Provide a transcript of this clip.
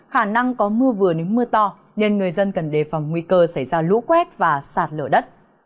khả năng có mưa vừa đến mưa to nên người dân cần đề phòng nguy cơ xảy ra lũ quét và sạt lở đất